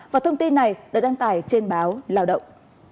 và thông tin này đã đăng tải trên báo lào động